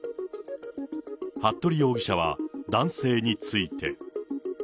服部容疑者は男性について。